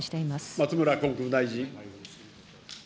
松村国務大臣。